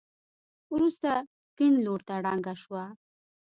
وروسته کيڼ لورته ړنګه شوه.